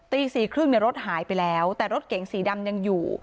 ตี๔๓๐รถหายไปแล้วแต่รถเก่งสีดำยังอยู่